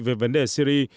về vấn đề syri